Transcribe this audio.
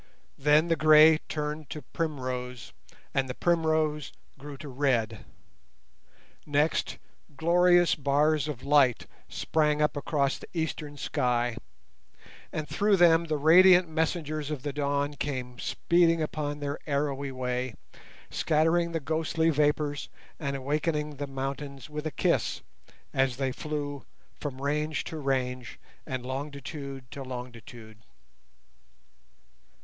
Then the grey turned to primrose, and the primrose grew to red. Next, glorious bars of light sprang up across the eastern sky, and through them the radiant messengers of the dawn came speeding upon their arrowy way, scattering the ghostly vapours and awaking the mountains with a kiss, as they flew from range to range and longitude to longitude.